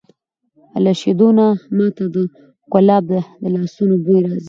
له دې شیدو نه ما ته د کلاب د لاسونو بوی راځي!